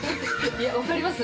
いや、分かります。